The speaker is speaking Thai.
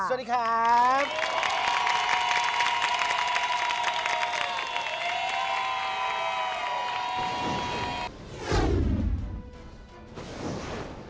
สวัสดีครับ